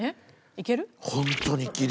いける？